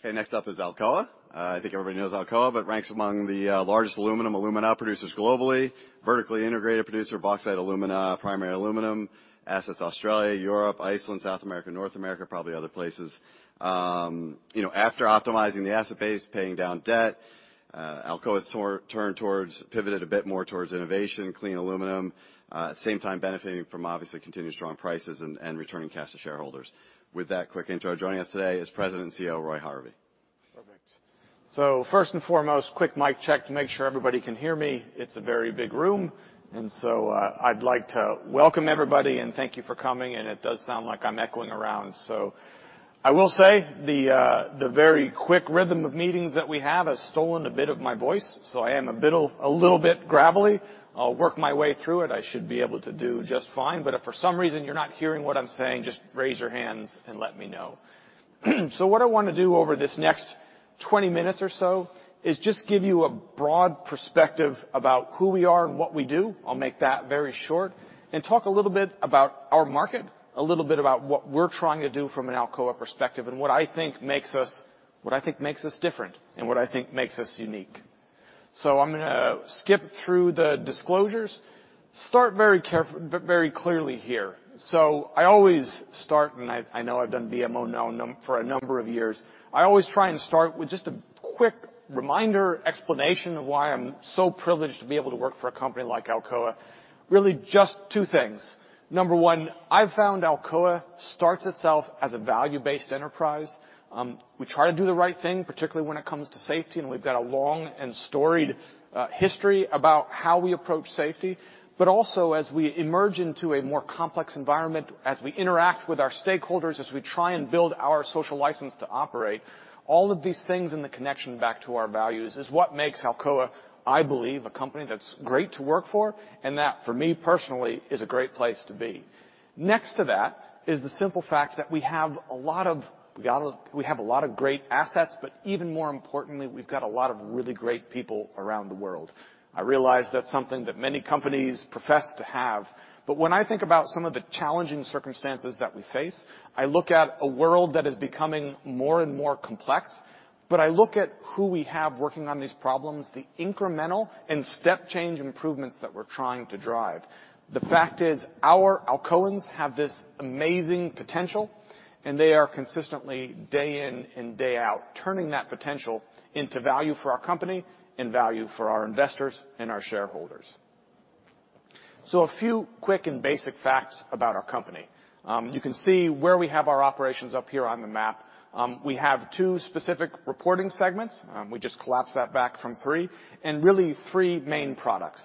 Okay, next up is Alcoa. I think everybody knows Alcoa, ranks among the largest aluminum, alumina producers globally, vertically integrated producer, bauxite, alumina, primary aluminum. Assets Australia, Europe, Iceland, South America, North America, probably other places. You know, after optimizing the asset base, paying down debt, Alcoa's pivoted a bit more towards innovation, clean aluminum, at the same time benefiting from obviously continued strong prices and returning cash to shareholders. With that quick intro, joining us today is President and CEO, Roy Harvey. Perfect. First and foremost, quick mic check to make sure everybody can hear me. It's a very big room, and so, I'd like to welcome everybody, and thank you for coming. It does sound like I'm echoing around. I will say the very quick rhythm of meetings that we have has stolen a bit of my voice, so I am a little bit gravelly. I'll work my way through it. I should be able to do just fine. But if for some reason you're not hearing what I'm saying, just raise your hands and let me know. What I wanna do over this next 20 minutes or so is just give you a broad perspective about who we are and what we do. I'll make that very short and talk a little bit about our market, a little bit about what we're trying to do from an Alcoa perspective, and what I think makes us different and what I think makes us unique. I'm gonna skip through the disclosures. Start very clearly here. I always start, and I know I've done BMO now for a number of years. I always try and start with just a quick reminder, explanation of why I'm so privileged to be able to work for a company like Alcoa. Really just two things. Number one, I found Alcoa starts itself as a value-based enterprise. We try to do the right thing, particularly when it comes to safety. We've got a long and storied history about how we approach safety. Also as we emerge into a more complex environment, as we interact with our stakeholders, as we try and build our social license to operate. All of these things and the connection back to our values is what makes Alcoa, I believe, a company that's great to work for. That for me personally, is a great place to be. Next to that is the simple fact that we have a lot of great assets. Even more importantly, we've got a lot of really great people around the world. I realize that's something that many companies profess to have, when I think about some of the challenging circumstances that we face, I look at a world that is becoming more and more complex. I look at who we have working on these problems, the incremental and step change improvements that we're trying to drive. The fact is, our Alcoans have this amazing potential, and they are consistently day in and day out, turning that potential into value for our company and value for our investors and our shareholders. A few quick and basic facts about our company. You can see where we have our operations up here on the map. We have two specific reporting segments. We just collapsed that back from three and really three main products.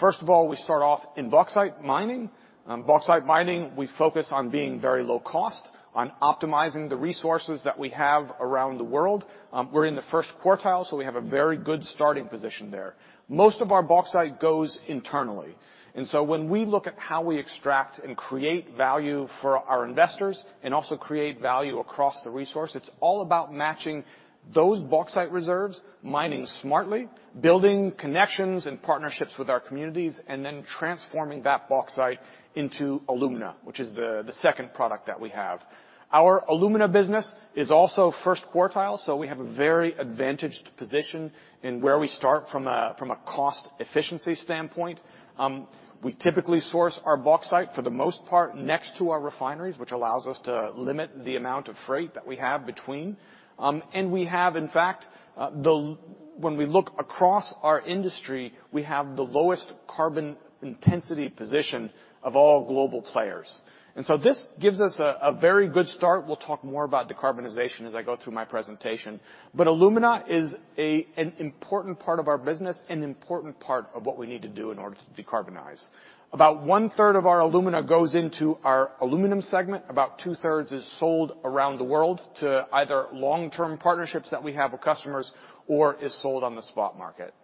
First of all, we start off in bauxite mining. Bauxite mining, we focus on being very low cost on optimizing the resources that we have around the world. We're in the first quartile, so we have a very good starting position there. Most of our bauxite goes internally. When we look at how we extract and create value for our investors and also create value across the resource, it's all about matching those bauxite reserves, mining smartly, building connections and partnerships with our communities. Then transforming that bauxite into alumina, which is the second product that we have. Our alumina business is also first quartile, so we have a very advantaged position in where we start from a, from a cost efficiency standpoint. We typically source our bauxite for the most part next to our refineries, which allows us to limit the amount of freight that we have between. We have in fact, when we look across our industry, we have the lowest carbon intensity position of all global players. This gives us a very good start. We'll talk more about decarbonization as I go through my presentation. Alumina is an important part of our business and important part of what we need to do in order to decarbonize. About 1/3 of our alumina goes into our aluminum segment. About 2/3 is sold around the world to either long-term partnerships that we have with customers or is sold on the spot market.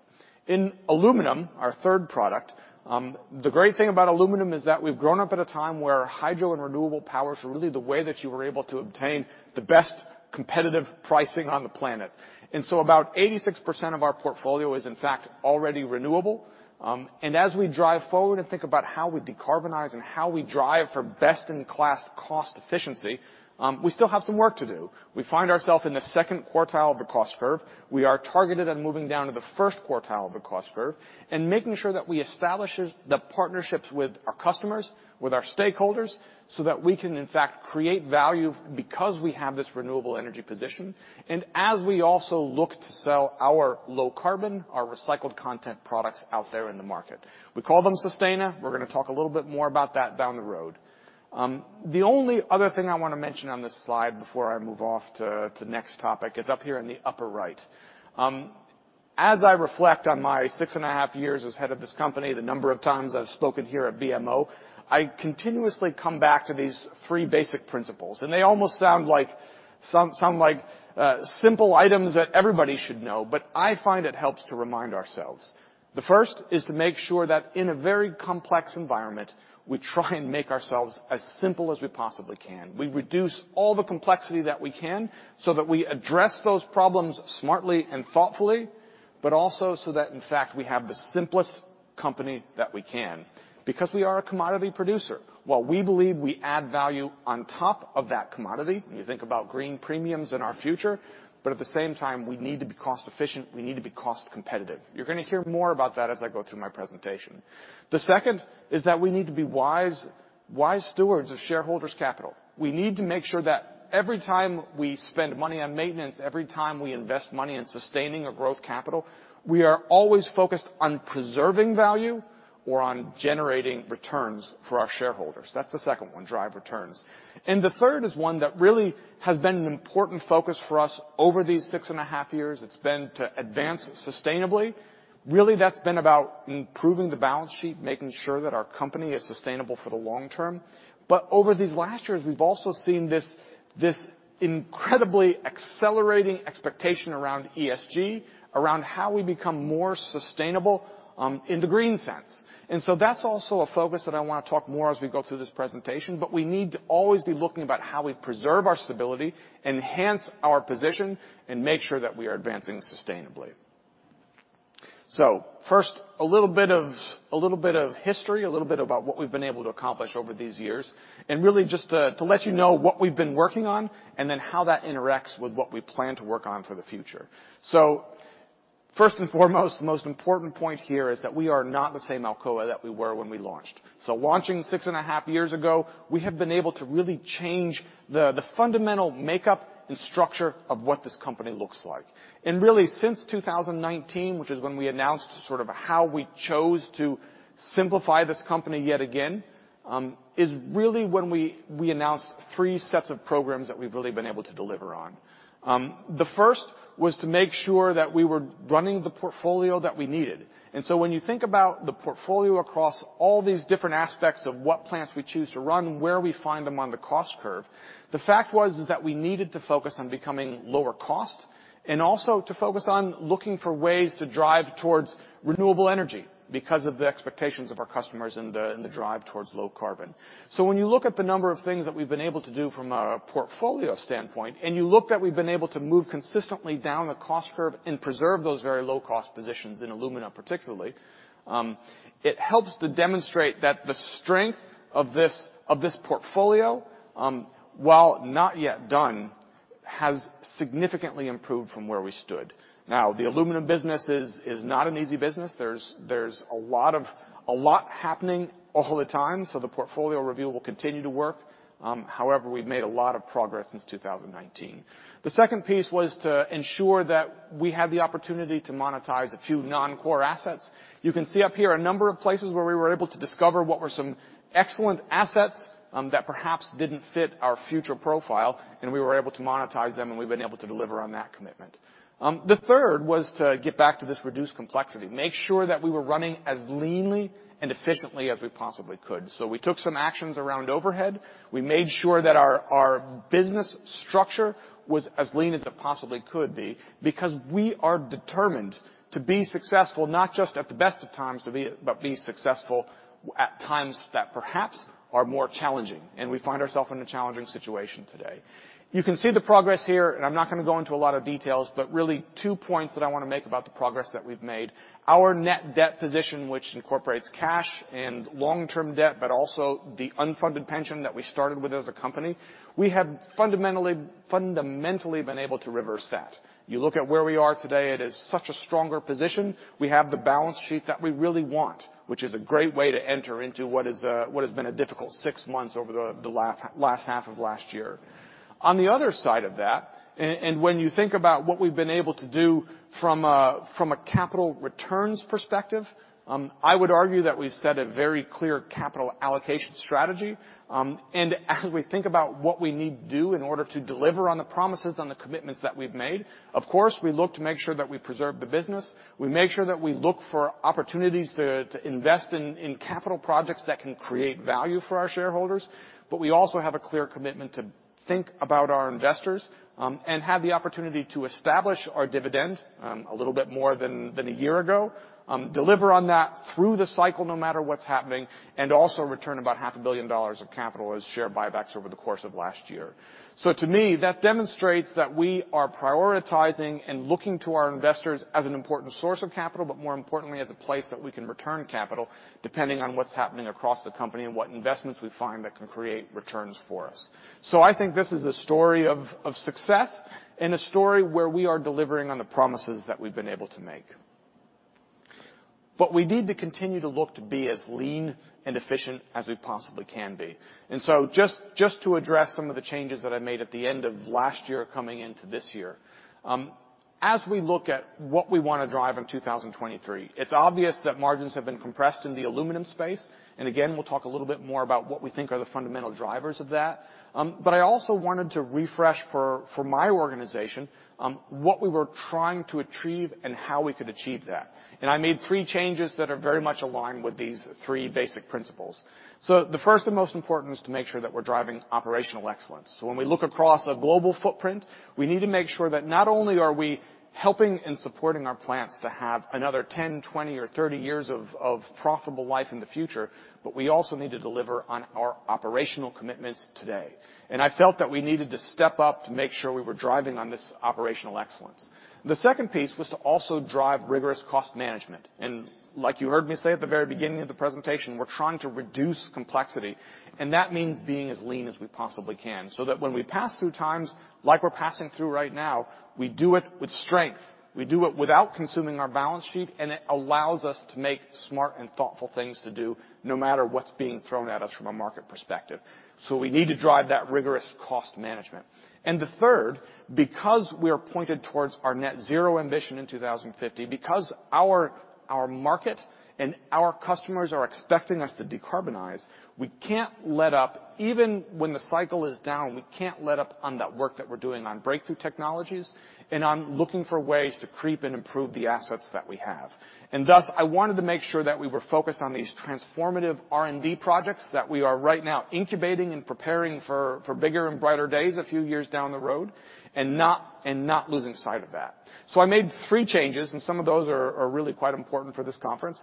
In aluminum, our third product, the great thing about aluminum is that we've grown up at a time where hydro and renewable power is really the way that you were able to obtain the best competitive pricing on the planet. About 86% of our portfolio is in fact already renewable. As we drive forward and think about how we decarbonize and how we drive for best in class cost efficiency, we still have some work to do. We find ourself in the second quartile of the cost curve. We are targeted at moving down to the first quartile of the cost curve and making sure that we establish the partnerships with our customers, with our stakeholders, so that we can in fact create value because we have this renewable energy position, and as we also look to sell our low carbon, our recycled content products out there in the market. We call them Sustana. We're gonna talk a little bit more about that down the road. The only other thing I wanna mention on this slide before I move off to the next topic is up here in the upper right. As I reflect on my six and a half years as head of this company, the number of times I've spoken here at BMO, I continuously come back to these three basic principles, and they almost sound like simple items that everybody should know, but I find it helps to remind ourselves. The first is to make sure that in a very complex environment, we try and make ourselves as simple as we possibly can. We reduce all the complexity that we can so that we address those problems smartly and thoughtfully, but also so that, in fact, we have the simplest company that we can because we are a commodity producer. While we believe we add value on top of that commodity, when you think about green premiums in our future, at the same time, we need to be cost efficient, we need to be cost competitive. You're going to hear more about that as I go through my presentation. The second is that we need to be wise stewards of shareholders' capital. We need to make sure that every time we spend money on maintenance, every time we invest money in sustaining a growth capital, we are always focused on preserving value or on generating returns for our shareholders. That's the second one, drive returns. The third is one that really has been an important focus for us over these six and a half years. It's been to advance sustainably. Really, that's been about improving the balance sheet, making sure that our company is sustainable for the long term. Over these last years, we've also seen this incredibly accelerating expectation around ESG, around how we become more sustainable, in the green sense. That's also a focus that I wanna talk more as we go through this presentation, but we need to always be looking about how we preserve our stability, enhance our position, and make sure that we are advancing sustainably. First, a little bit of history, a little bit about what we've been able to accomplish over these years, and really just to let you know what we've been working on, and then how that interacts with what we plan to work on for the future. First and foremost, the most important point here is that we are not the same Alcoa that we were when we launched. Launching six and a half years ago, we have been able to really change the fundamental makeup and structure of what this company looks like. Really, since 2019, which is when we announced sort of how we chose to simplify this company yet again, is really when we announced three sets of programs that we've really been able to deliver on. The first was to make sure that we were running the portfolio that we needed. When you think about the portfolio across all these different aspects of what plants we choose to run, where we find them on the cost curve, the fact was is that we needed to focus on becoming lower cost and also to focus on looking for ways to drive towards renewable energy because of the expectations of our customers and the drive towards low carbon. When you look at the number of things that we've been able to do from a portfolio standpoint, and you look that we've been able to move consistently down the cost curve and preserve those very low cost positions in alumina, particularly, it helps to demonstrate that the strength of this portfolio, while not yet done, has significantly improved from where we stood. Now, the aluminum business is not an easy business. There's a lot happening all the time, so the portfolio review will continue to work. However, we've made a lot of progress since 2019. The second piece was to ensure that we had the opportunity to monetize a few non-core assets. You can see up here a number of places where we were able to discover what were some excellent assets, that perhaps didn't fit our future profile, and we were able to monetize them, and we've been able to deliver on that commitment. The third was to get back to this reduced complexity, make sure that we were running as leanly and efficiently as we possibly could. We took some actions around overhead. We made sure that our business structure was as lean as it possibly could be because we are determined to be successful, not just at the best of times, but be successful at times that perhaps are more challenging, and we find ourselves in a challenging situation today. You can see the progress here, and I'm not going to go into a lot of details, but really two points that I want to make about the progress that we've made. Our net debt position, which incorporates cash and long-term debt, but also the unfunded pension that we started with as a company, we have fundamentally been able to reverse that. You look at where we are today, it is such a stronger position. We have the balance sheet that we really want, which is a great way to enter into what has been a difficult six months over the last half of last year. On the other side of that, and when you think about what we've been able to do from a capital returns perspective, I would argue that we set a very clear capital allocation strategy. As we think about what we need to do in order to deliver on the promises and the commitments that we've made, of course, we look to make sure that we preserve the business. We make sure that we look for opportunities to invest in capital projects that can create value for our shareholders, but we also have a clear commitment to think about our investors, and have the opportunity to establish our dividend a little bit more than a year ago, deliver on that through the cycle no matter what's happening, and also return about half a billion dollars of capital as share buybacks over the course of last year. To me, that demonstrates that we are prioritizing and looking to our investors as an important source of capital, but more importantly as a place that we can return capital depending on what's happening across the company and what investments we find that can create returns for us. I think this is a story of success and a story where we are delivering on the promises that we've been able to make. We need to continue to look to be as lean and efficient as we possibly can be. Just to address some of the changes that I made at the end of last year coming into this year, as we look at what we wanna drive in 2023, it's obvious that margins have been compressed in the aluminum space. Again, we'll talk a little bit more about what we think are the fundamental drivers of that. I also wanted to refresh for my organization what we were trying to achieve and how we could achieve that. I made 3 changes that are very much aligned with these three basic principles. The first and most important was to make sure that we're driving operational excellence. When we look across a global footprint, we need to make sure that not only are we helping and supporting our plants to have another 10, 20, or 30 years of profitable life in the future, but we also need to deliver on our operational commitments today. I felt that we needed to step up to make sure we were driving on this operational excellence. The second piece was to also drive rigorous cost management. Like you heard me say at the very beginning of the presentation, we're trying to reduce complexity, and that means being as lean as we possibly can, so that when we pass through times like we're passing through right now, we do it with strength. We do it without consuming our balance sheet. It allows us to make smart and thoughtful things to do no matter what's being thrown at us from a market perspective. We need to drive that rigorous cost management. The third, because we are pointed towards our net zero ambition in 2050, because our market and our customers are expecting us to decarbonize, we can't let up. Even when the cycle is down, we can't let up on that work that we're doing on breakthrough technologies and on looking for ways to creep and improve the assets that we have. Thus, I wanted to make sure that we were focused on these transformative R&D projects that we are right now incubating and preparing for bigger and brighter days a few years down the road, not losing sight of that. I made three changes, Some of those are really quite important for this conference.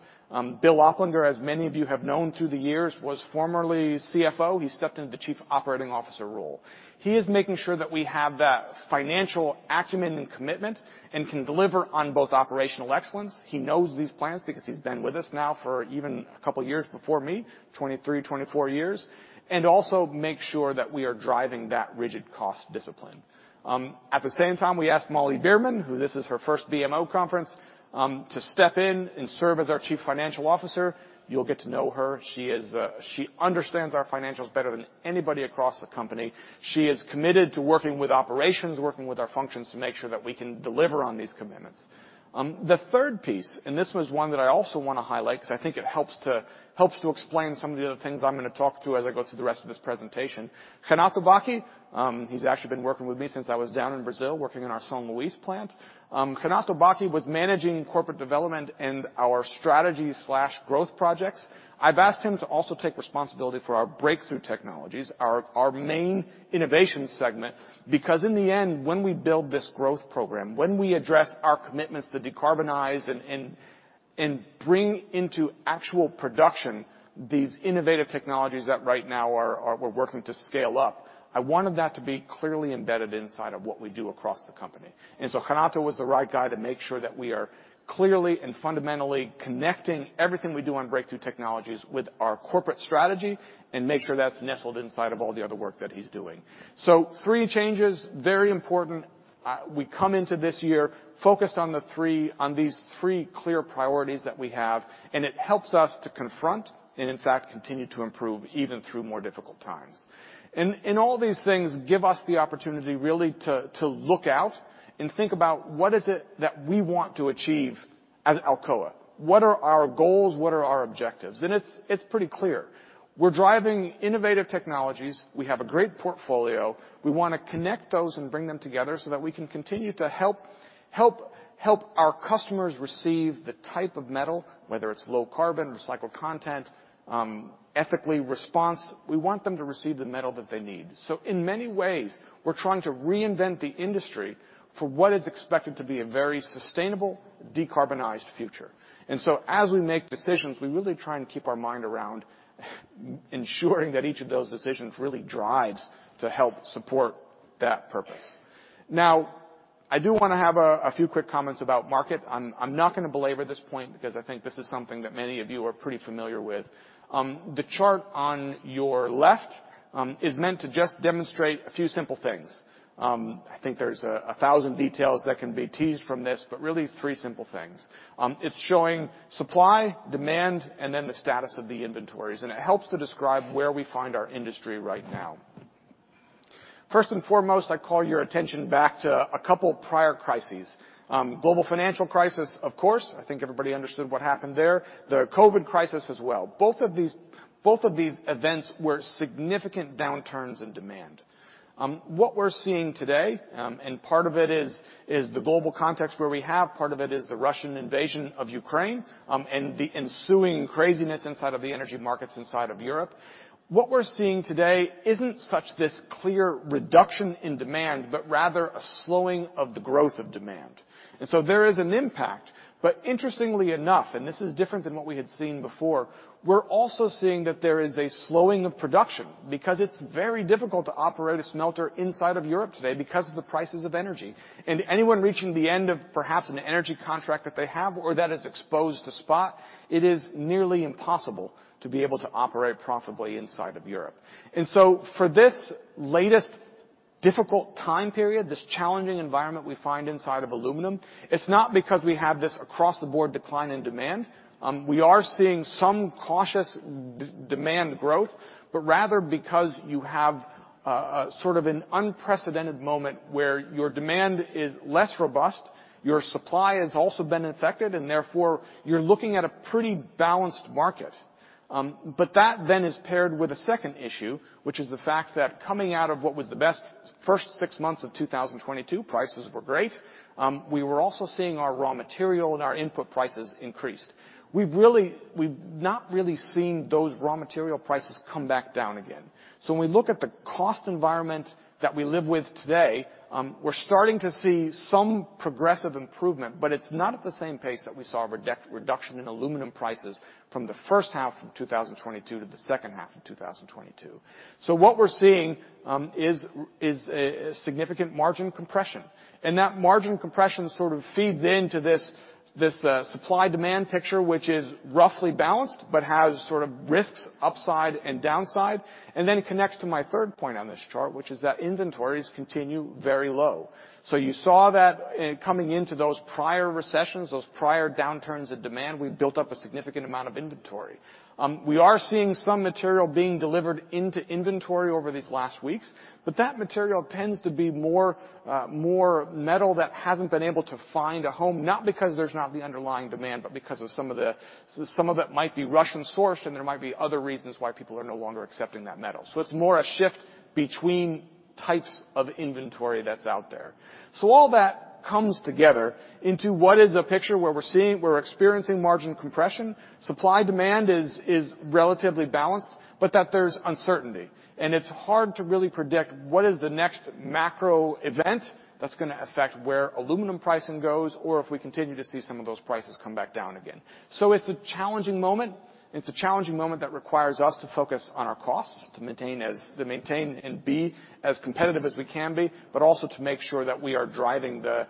Bill Oplinger, as many of you have known through the years, was formerly CFO. He stepped into the Chief Operating Officer role. He is making sure that we have that financial acumen and commitment and can deliver on both operational excellence. He knows these plans because he's been with us now for even a couple of years before me, 23, 24 years. Also make sure that we are driving that rigid cost discipline. At the same time, we asked Molly Beerman, who this is her first BMO conference, to step in and serve as our Chief Financial Officer. You'll get to know her. She understands our financials better than anybody across the company. She is committed to working with operations, working with our functions to make sure that we can deliver on these commitments. The third piece, this was one that I also wanna highlight because I think it helps to explain some of the other things I'm gonna talk through as I go through the rest of this presentation. Renato Bacchi, he's actually been working with me since I was down in Brazil, working in our São Luís plant. Renato Bacchi was managing corporate development and our strategy/growth projects. I've asked him to also take responsibility for our breakthrough technologies, our main innovation segment, because in the end, when we build this growth program, when we address our commitments to decarbonize and bring into actual production these innovative technologies that right now we're working to scale up, I wanted that to be clearly embedded inside of what we do across the company. Renato was the right guy to make sure that we are clearly and fundamentally connecting everything we do on breakthrough technologies with our corporate strategy and make sure that's nestled inside of all the other work that he's doing. Three changes, very important. We come into this year focused on these three clear priorities that we have, and it helps us to confront and in fact, continue to improve even through more difficult times. All these things give us the opportunity really to look out and think about what is it that we want to achieve as Alcoa. What are our goals? What are our objectives? It's, it's pretty clear. We're driving innovative technologies. We have a great portfolio. We wanna connect those and bring them together so that we can continue to help our customers receive the type of metal, whether it's low carbon, recycled content, ethically responsible. We want them to receive the metal that they need. In many ways, we're trying to reinvent the industry for what is expected to be a very sustainable, decarbonized future. As we make decisions, we really try and keep our mind around ensuring that each of those decisions really drives to help support that purpose. I do wanna have a few quick comments about market. I'm not gonna belabor this point because I think this is something that many of you are pretty familiar with. The chart on your left is meant to just demonstrate a few simple things. I think there's 1,000 details that can be teased from this, but really three simple things. It's showing supply, demand, and then the status of the inventories, and it helps to describe where we find our industry right now. First and foremost, I call your attention back to a couple prior crises. Global financial crisis, of course. I think everybody understood what happened there. The COVID crisis as well. Both of these events were significant downturns in demand. What we're seeing today, and part of it is the global context where we have, part of it is the Russian invasion of Ukraine, and the ensuing craziness inside of the energy markets inside of Europe. What we're seeing today isn't such this clear reduction in demand, but rather a slowing of the growth of demand. There is an impact. Interestingly enough, and this is different than what we had seen before, we're also seeing that there is a slowing of production because it's very difficult to operate a smelter inside of Europe today because of the prices of energy. Anyone reaching the end of perhaps an energy contract that they have or that is exposed to spot, it is nearly impossible to be able to operate profitably inside of Europe. For this latest difficult time period, this challenging environment we find inside of aluminum, it's not because we have this across-the-board decline in demand. We are seeing some cautious demand growth, but rather because you have a sort of an unprecedented moment where your demand is less robust, your supply has also been infected, and therefore, you're looking at a pretty balanced market. That then is paired with a second issue, which is the fact that coming out of what was the best first six months of 2022, prices were great, we were also seeing our raw material and our input prices increased. We've not really seen those raw material prices come back down again. When we look at the cost environment that we live with today, we're starting to see some progressive improvement, but it's not at the same pace that we saw reduction in aluminum prices from the first half of 2022 to the second half of 2022. What we're seeing is a significant margin compression, and that margin compression sort of feeds into this supply-demand picture, which is roughly balanced, but has sort of risks upside and downside, and then connects to my third point on this chart, which is that inventories continue very low. You saw that coming into those prior recessions, those prior downturns in demand, we've built up a significant amount of inventory. We are seeing some material being delivered into inventory over these last weeks, but that material tends to be more, more metal that hasn't been able to find a home, not because there's not the underlying demand, but because of some of it might be Russian-sourced, and there might be other reasons why people are no longer accepting that metal. It's more a shift between types of inventory that's out there. All that comes together into what is a picture where we're experiencing margin compression. Supply-demand is relatively balanced, but that there's uncertainty, and it's hard to really predict what is the next macro event that's gonna affect where aluminum pricing goes, or if we continue to see some of those prices come back down again. It's a challenging moment. It's a challenging moment that requires us to focus on our costs to maintain and be as competitive as we can be, but also to make sure that we are driving the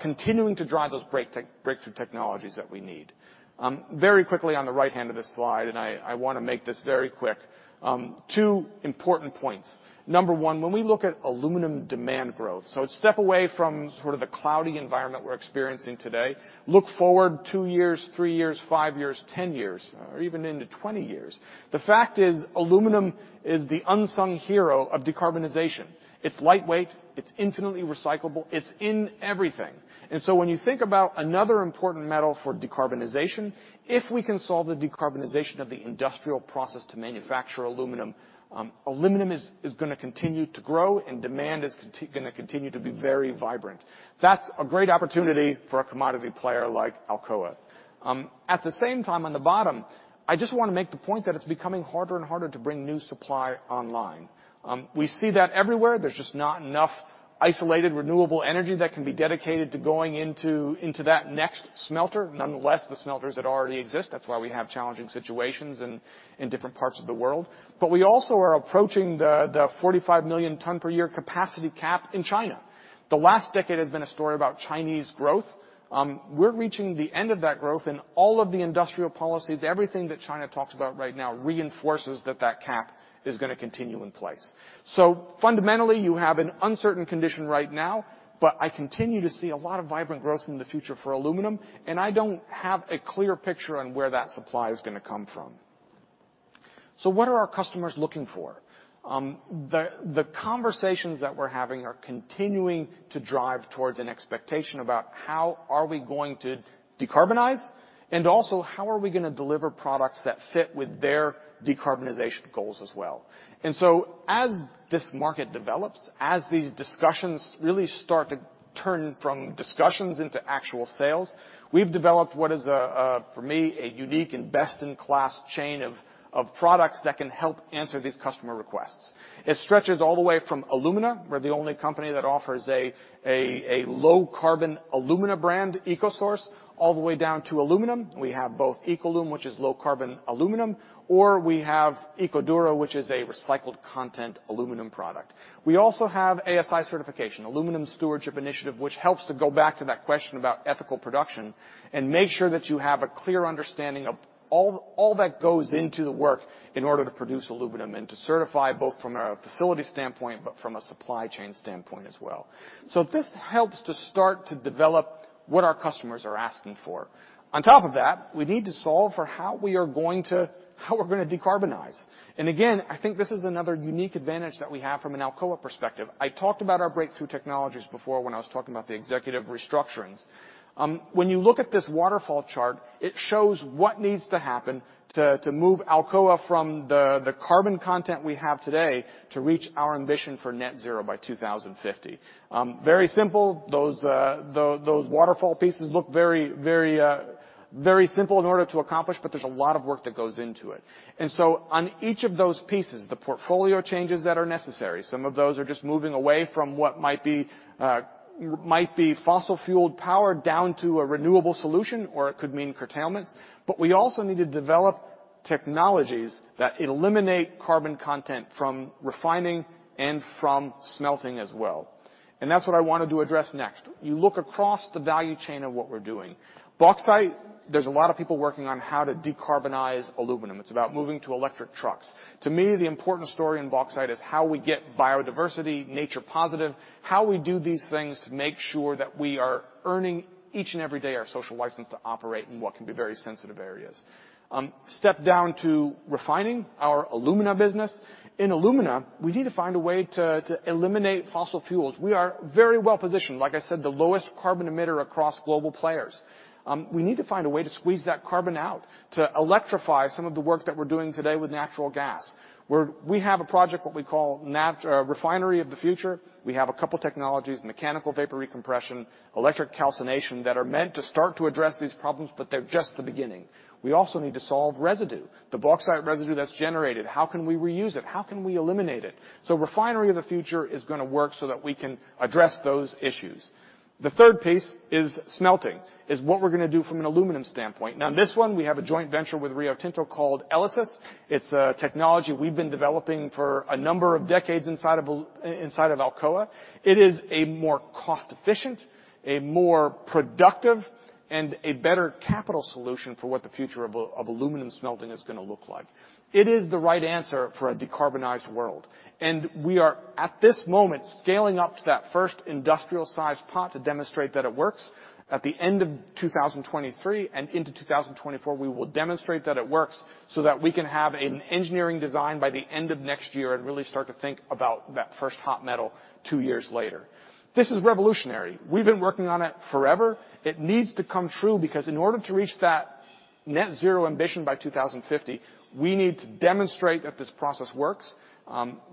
continuing to drive those breakthrough technologies that we need. Very quickly on the right hand of this slide, and I wanna make this very quick, two important points. Number one, when we look at aluminum demand growth, so a step away from sort of the cloudy environment we're experiencing today. Look forward two years, three years, five years, 10 years, or even into 20 years. The fact is, aluminum is the unsung hero of decarbonization. It's lightweight, it's infinitely recyclable, it's in everything. When you think about another important metal for decarbonization, if we can solve the decarbonization of the industrial process to manufacture aluminum is gonna continue to grow, and demand is gonna continue to be very vibrant. That's a great opportunity for a commodity player like Alcoa. At the same time, on the bottom, I just wanna make the point that it's becoming harder and harder to bring new supply online. We see that everywhere. There's just not enough isolated renewable energy that can be dedicated to going into that next smelter. Nonetheless, the smelters that already exist, that's why we have challenging situations in different parts of the world. We also are approaching the 45 million ton per year capacity cap in China. The last decade has been a story about Chinese growth. We're reaching the end of that growth, and all of the industrial policies, everything that China talks about right now reinforces that that cap is gonna continue in place. Fundamentally, you have an uncertain condition right now, but I continue to see a lot of vibrant growth in the future for aluminum, and I don't have a clear picture on where that supply is gonna come from. What are our customers looking for? The conversations that we're having are continuing to drive towards an expectation about how are we going to decarbonize, and also how are we gonna deliver products that fit with their decarbonization goals as well. As this market develops, as these discussions really start to turn from discussions into actual sales, we've developed what is a unique and best-in-class chain of products that can help answer these customer requests. It stretches all the way from alumina. We're the only company that offers a low-carbon alumina brand, EcoSource, all the way down to aluminum. We have both EcoLum, which is low-carbon aluminum, or we have EcoDura, which is a recycled content aluminum product. We also have ASI certification, Aluminium Stewardship Initiative, which helps to go back to that question about ethical production and make sure that you have a clear understanding of all that goes into the work in order to produce aluminum and to certify both from a facility standpoint, but from a supply chain standpoint as well. This helps to start to develop what our customers are asking for. On top of that, we need to solve for how we're gonna decarbonize. Again, I think this is another unique advantage that we have from an Alcoa perspective. I talked about our breakthrough technologies before when I was talking about the executive restructurings. When you look at this waterfall chart, it shows what needs to happen to move Alcoa from the carbon content we have today to reach our ambition for net zero by 2050. Very simple. Those waterfall pieces look very, very simple in order to accomplish, but there's a lot of work that goes into it. On each of those pieces, the portfolio changes that are necessary, some of those are just moving away from what might be fossil fueled power down to a renewable solution, or it could mean curtailments. We also need to develop technologies that eliminate carbon content from refining and from smelting as well. That's what I wanted to address next. You look across the value chain of what we're doing. Bauxite, there's a lot of people working on how to decarbonize aluminum. It's about moving to electric trucks. To me, the important story in bauxite is how we get biodiversity nature positive, how we do these things to make sure that we are earning each and every day our social license to operate in what can be very sensitive areas. Step down to refining our alumina business. In alumina, we need to find a way to eliminate fossil fuels. We are very well-positioned. Like I said, the lowest carbon emitter across global players. We need to find a way to squeeze that carbon out, to electrify some of the work that we're doing today with natural gas, where we have a project, what we call Refinery of the Future. We have a couple technologies, Mechanical Vapor Recompression, electric calcination, that are meant to start to address these problems, but they're just the beginning. We also need to solve residue. The bauxite residue that's generated, how can we reuse it? How can we eliminate it? Refinery of the Future is gonna work so that we can address those issues. The third piece is smelting. Is what we're gonna do from an aluminum standpoint. Now this one, we have a joint venture with Rio Tinto called ELYSIS. It's a technology we've been developing for a number of decades inside of Alcoa. It is a more cost-efficient, a more productive, and a better capital solution for what the future of aluminum smelting is gonna look like. It is the right answer for a decarbonized world. We are, at this moment, scaling up to that first industrial-sized pot to demonstrate that it works. At the end of 2023 and into 2024, we will demonstrate that it works, so that we can have an engineering design by the end of next year and really start to think about that first hot metal two years later. This is revolutionary. We've been working on it forever. It needs to come true because in order to reach that net zero ambition by 2050, we need to demonstrate that this process works.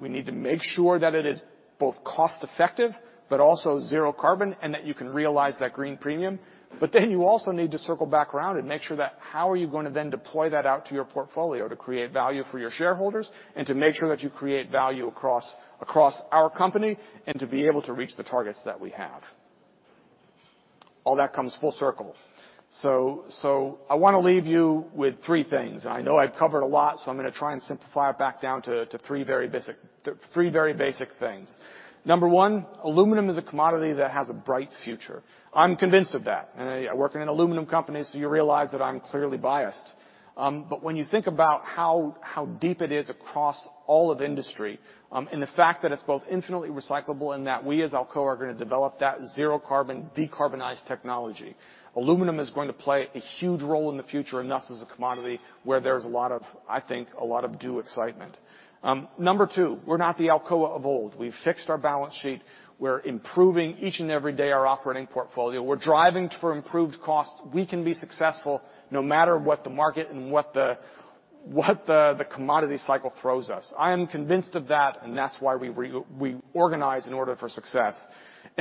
We need to make sure that it is both cost-effective, but also zero carbon, and that you can realize that green premium. You also need to circle back around and make sure that how are you gonna then deploy that out to your portfolio to create value for your shareholders, and to make sure that you create value across our company, and to be able to reach the targets that we have. All that comes full circle. I wanna leave you with three things. I know I've covered a lot, so I'm gonna try and simplify it back down to three very basic, three very basic things. Number one, aluminum is a commodity that has a bright future. I'm convinced of that. I work in an aluminum company, so you realize that I'm clearly biased. When you think about how deep it is across all of industry, and the fact that it's both infinitely recyclable and that we as Alcoa are gonna develop that zero carbon decarbonized technology, aluminum is going to play a huge role in the future, and thus as a commodity where there's a lot of, I think, a lot of due excitement. Number two, we're not the Alcoa of old. We've fixed our balance sheet. We're improving each and every day our operating portfolio. We're driving for improved costs. We can be successful no matter what the market and what the commodity cycle throws us. I am convinced of that. That's why we organize in order for success.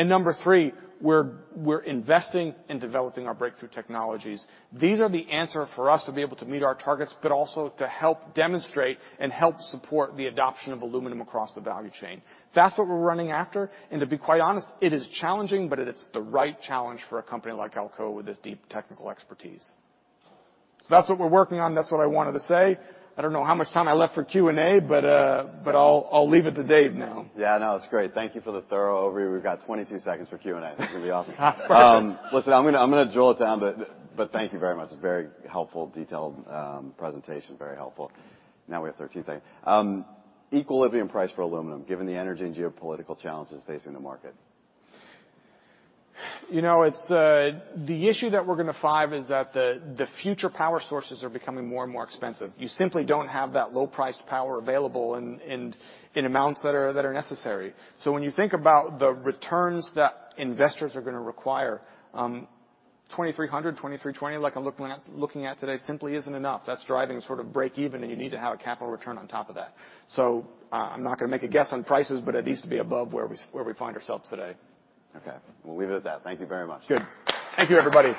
Number three, we're investing in developing our breakthrough technologies. These are the answer for us to be able to meet our targets, but also to help demonstrate and help support the adoption of aluminum across the value chain. That's what we're running after. To be quite honest, it is challenging, but it's the right challenge for a company like Alcoa with this deep technical expertise. That's what we're working on. That's what I wanted to say. I don't know how much time I left for Q&A, but I'll leave it to Dave now. Yeah, no, it's great. Thank you for the thorough overview. We've got 22 seconds for Q&A. That's gonna be awesome. Perfect. Listen, I'm gonna drill it down, but thank you very much. Very helpful detailed presentation. Very helpful. Now we have 13 seconds. Equilibrium price for aluminum, given the energy and geopolitical challenges facing the market? You know, it's the issue that we're gonna find is that the future power sources are becoming more and more expensive. You simply don't have that low-priced power available in amounts that are necessary. When you think about the returns that investors are gonna require, $2,300, $2,320, like I'm looking at today, simply isn't enough. That's driving sort of break-even, and you need to have a capital return on top of that. I'm not gonna make a guess on prices, but it needs to be above where we find ourselves today. Okay. We'll leave it at that. Thank you very much. Good. Thank you, everybody.